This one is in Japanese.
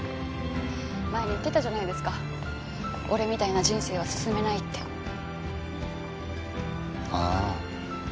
前に言ってたじゃないですか俺みたいな人生は勧めないって。ああ。